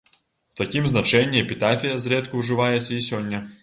У такім значэнні эпітафія зрэдку ўжываецца і сёння.